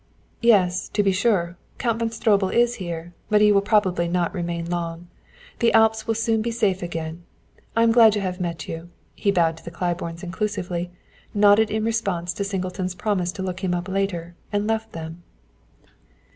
"Yes; to be sure, Count von Stroebel is here, but he will probably not remain long. The Alps will soon be safe again. I am glad to have met you." He bowed to the Claibornes inclusively, nodded in response to Singleton's promise to look him up later, and left them.